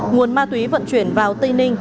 nguồn ma túy vận chuyển vào tây ninh